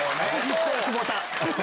久保田。